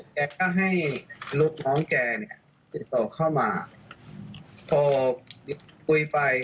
แกก็ให้ลูกน้องแกเนี่ยติดต่อเข้ามาโทรคุยไป